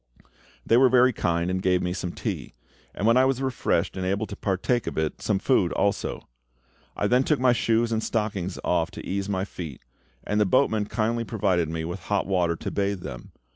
They were very kind, and gave me some tea; and when I was refreshed and able to partake of it, some food also. I then took my shoes and stockings off to ease my feet, and the boatman kindly provided me with hot water to bathe them.